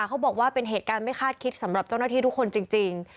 เขาบอกว่าเป็นเหตุการณ์ไม่คาดคิดสำหรับเจ้าหน้าที่ทุกคนจริง